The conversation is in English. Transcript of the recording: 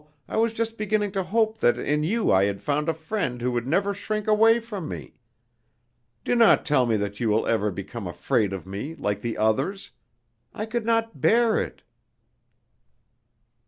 I was just beginning to hope that in you I had found a friend who would never shrink away from me. Do not tell me that you will ever become afraid of me like the others. I could not bear it."